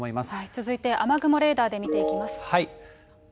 続いて雨雲レーダーで見ていきます。